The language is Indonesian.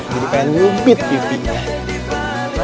jadi pengen nubit pipinya